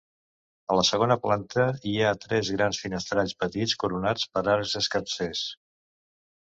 A la segona planta hi ha tres grans finestrals partits coronats per arcs escarsers.